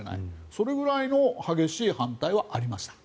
それぐらいの激しい反対はありました。